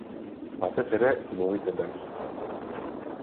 Batez ere, mugitzen naiz.